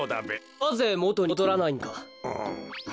なぜもとにもどらないんですか？